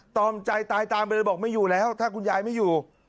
อมใจตายตามไปเลยบอกไม่อยู่แล้วถ้าคุณยายไม่อยู่